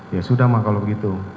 ya sudah mah kalau begitu